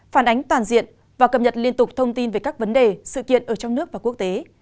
phản ánh toàn diện và cập nhật liên tục thông tin về các vấn đề sự kiện ở trong nước và quốc tế